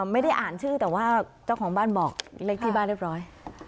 ไม่ได้อ่านชื่อแต่ว่าเจ้าของบ้านบอกเลขที่บ้านเรียบร้อย